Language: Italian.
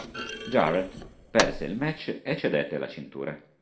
Jarrett perse il match e cedette la cintura.